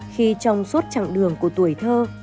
khi trong suốt chặng đường của tuổi thơ